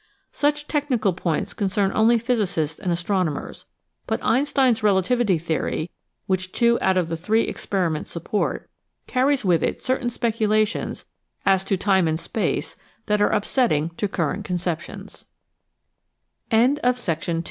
Such tech nical points concern only physicists and astronomers, but Einstein's relativity theory, which two out of the three experiments support, carries with it certain PARADOXES OF RELATIVITY 15 speculations as to time and space that are upsetting to current con